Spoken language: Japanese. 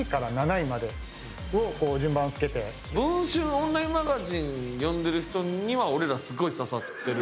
オンラインマガジン読んでる人には俺らすごい刺さってる。